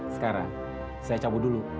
sekarang saya cabut dulu